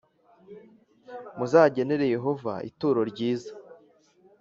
muzagenere Yehova ituro ryiza